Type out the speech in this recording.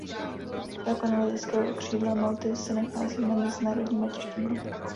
Základna leteckého křídla Malty se nachází na mezinárodním letišti Malta.